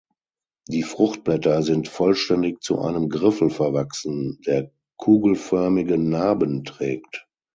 Die Fruchtblätter sind vollständig zu einem Griffel verwachsen, der kugelförmige Narben trägt.